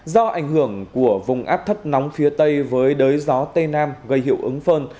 do ảnh hưởng của vùng áp thấp nóng phía tây với đới gió tây nam gây hiệu ứng phơn